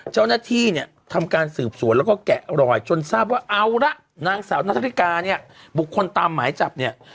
เจ้าหน้าที่เนี่ยทำการสืบสวนแล้วก็แกะรอยจนทราบว่าเอาละนางสาวนาธริกาเนี่ยบุคคลตามหมายจับเนี่ย